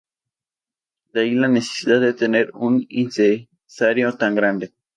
De ahí la necesidad de tener un incensario tan grande.